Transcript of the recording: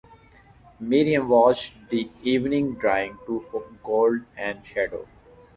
Miriam watched the evening drawing to gold and shadow.